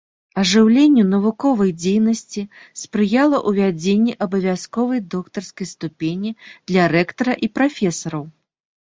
Ажыўленню навуковай дзейнасці спрыяла ўвядзенне абавязковай доктарскай ступені для рэктара і прафесараў.